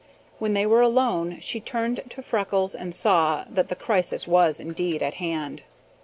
When they were alone, she turned to Freckles and saw that the crisis was indeed at hand.